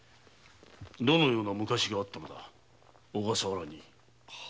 どのような昔があったのだ小笠原に。